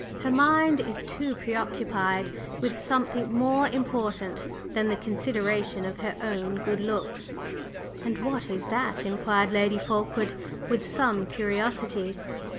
Her mind is too preoccupied with something more important than the consideration of her own good looks." "And what is that?" inquired Lady Fulkeward, with some curiosity.